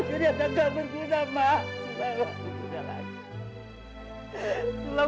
kita bisa jadi anak anak jadi anak gak berguna maaf